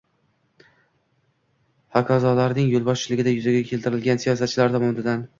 hokazolarning yo‘lboshchiligida yuzaga keltirilgan. Siyosatchilar tomonidan